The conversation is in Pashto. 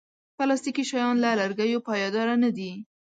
پلاستيکي شیان له لرګیو پایداره نه دي.